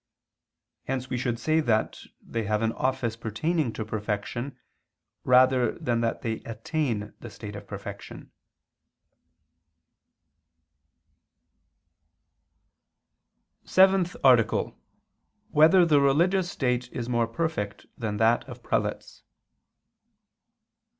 Hence we should say that they have an office pertaining to perfection rather than that they attain the state of perfection. _______________________ SEVENTH ARTICLE [II II, Q. 184, Art. 7] Whether the Religious State Is More Perfect Than That of Prelates?